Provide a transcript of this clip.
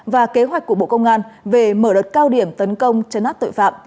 và kế hoạch của bộ công an về mở đợt cao điểm tấn công chấn áp tội phạm